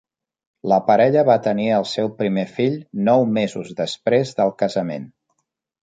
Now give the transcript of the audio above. La parella va tenir el seu primer fill nou mesos després del casament.